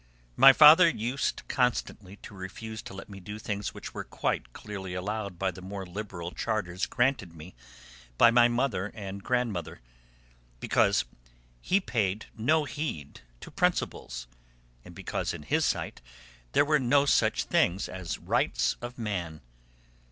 My father used constantly to refuse to let me do things which were quite clearly allowed by the more liberal charters granted me by my mother and grandmother, because he paid no heed to 'Principles,' and because in his sight there were no such things as 'Rights of Man.'